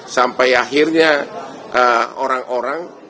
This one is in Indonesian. sampai akhirnya orang orang